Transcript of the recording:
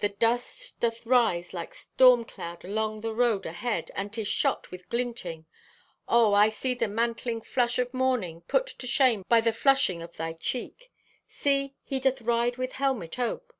The dust doth rise like storm cloud along the road ahead, and 'tis shot with glinting. Oh, I see the mantling flush of morning put to shame by the flushing of thy cheek! See, he doth ride with helmet ope.